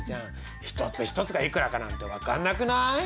一つ一つがいくらかなんて分かんなくない？